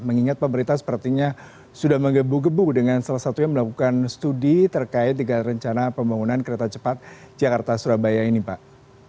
mengingat pemerintah sepertinya sudah menggebu gebu dengan salah satunya melakukan studi terkait dengan rencana pembangunan kereta cepat jakarta surabaya ini pak